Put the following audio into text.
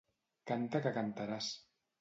Canta que cantaràs.